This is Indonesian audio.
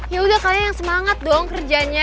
yaudah kalian yang semangat dong kerjanya